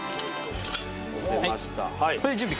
乗せました。